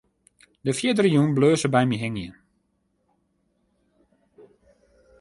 De fierdere jûn bleau se by my hingjen.